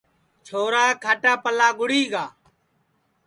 چھورا کھاٹاپلا گُڑی گا